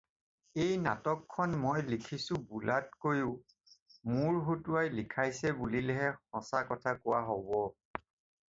এই নাটকখন মই লিখিছোঁ বোলাতকৈও মোৰ হতুৱাই লিখাইছে বুলিলেহে সঁচা কথা কোৱা হ'ব।